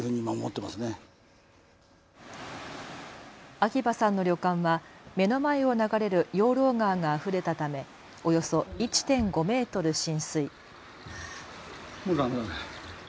秋葉さんの旅館は目の前を流れる養老川があふれたためおよそ１．５メートル浸水。